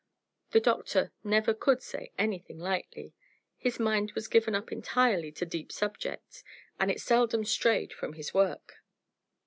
The doctor never could say anything lightly. His mind was given up entirely to deep subjects, and it seldom strayed from his work.